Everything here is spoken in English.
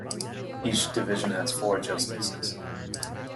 Each division has four justices.